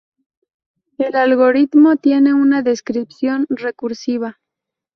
El algoritmo tiene una descripción recursiva.